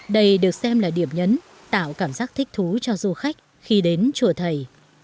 đây được xem là điểm nhấn tạo cảm giác thích thú cho du khách khi đến chùa thầy